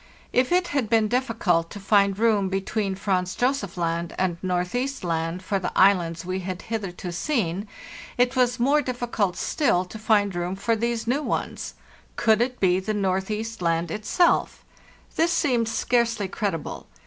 * If it had been difficult to find room between Franz Josef Land and Northeast Land for the islands we had hitherto seen, it was more difficult still to find room for these new ones. Could it be the Northeast Land itself? Thisseemed scarcely credible.